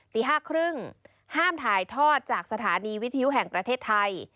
ตี๕๓๐ห้ามถ่ายทอดจากสถานีวิทยุแห่งประเทศไทย